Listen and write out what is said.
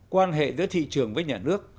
quan hệ giữa thị trường với nhà nước